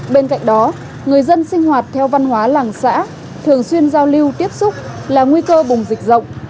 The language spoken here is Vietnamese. bên cạnh đó người dân sinh hoạt theo văn hóa làng xã thường xuyên giao lưu tiếp xúc là nguy cơ bùng dịch rộng